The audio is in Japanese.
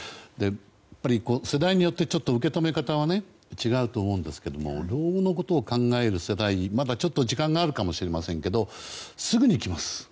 やっぱり世代によって受け止め方は違うと思うんですけど老後のことを考える世代にはまだちょっと時間があるかもしれませんですけどすぐに来ます。